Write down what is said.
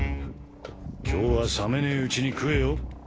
今日は冷めねえうちに食えよ。